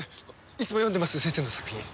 いつも読んでます先生の作品。